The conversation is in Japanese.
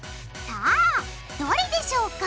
さあどれでしょうか？